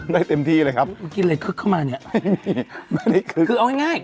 ได้เต็มที่เลยครับมันกินอะไรขึ๊กเข้ามาไงคือเอาง่าย